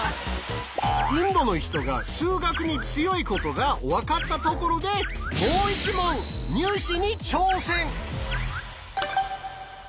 インドの人が数学に強いことが分かったところでもう１問入試に挑戦！